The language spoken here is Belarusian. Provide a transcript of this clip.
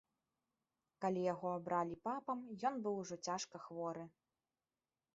Калі яго абралі папам, ён быў ужо цяжка хворы.